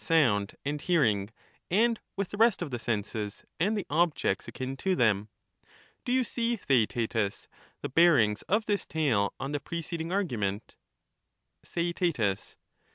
211 sound and hearing, and with the rest of the senses and the Theaetetus, objects akin to them. Do you see, Theaetetus, the bearings soc«ate8, of this tale on the preceding argument ? XHEABrrrus.